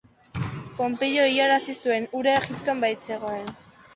Ponpeio hilarazi zuen, hura Egipton baitzegoen.